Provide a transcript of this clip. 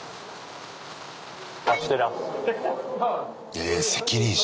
え責任者。